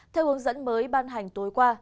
theo hướng dẫn mới ban hành tối qua